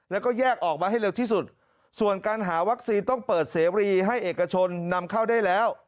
แล้วก็แยกออกมาให้เร็วที่สุดส่วนการหาวัคซีนต้องเปิดเสรีให้เอกชนนำเข้าได้แล้ว